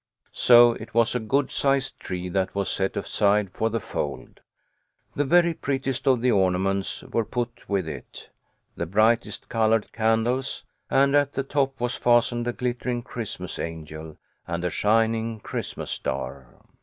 So it was a good sized tree that was set aside for " The Fold." The very prettiest of the ornaments were put with it ; the brightest coloured candles, and at the top was fastened a glittering Christmas angel and a shining Christmas star.